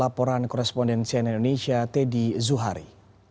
laporan korespondensian indonesia teddy zuhari